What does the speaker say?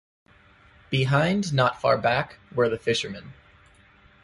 Behind, not far back, were the fishermen.